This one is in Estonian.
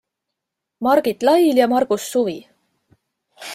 Margit Lail ja Margus suvi.